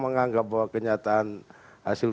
menganggap bahwa kenyataan hasil